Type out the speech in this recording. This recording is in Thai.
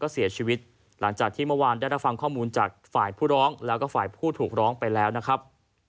เสียชีวิตหลังจากที่เมื่อวานได้รับฟังข้อมูลจากฝ่ายผู้ร้องแล้วก็ฝ่ายผู้ถูกร้องไปแล้วนะครับ